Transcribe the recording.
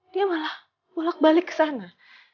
dia malah bolak balik ke sana